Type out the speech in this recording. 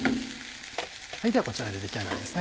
ではこちらで出来上がりです。